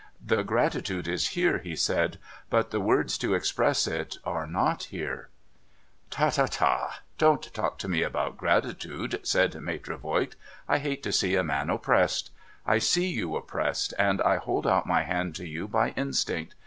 ' The gratitude is here,' he said. ' But the words to express it are not here.' ' Ta ta ta ! Don't talk to me about gratitude !' said Maitre Voigt. ' I hate to see a man oppressed. I see you oppressed, and I hold out my hand to you by instinct.